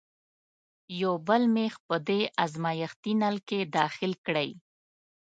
یو بل میخ په دې ازمیښتي نل کې داخل کړئ.